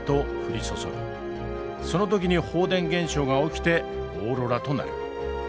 その時に放電現象が起きてオーロラとなる。